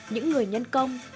những người nhân công